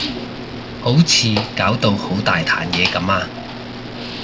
好似搞到好大壇嘢噉啊